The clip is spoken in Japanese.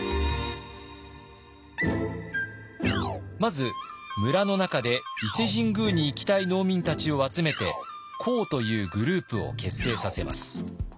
まず村の中で伊勢神宮に行きたい農民たちを集めて講というグループを結成させます。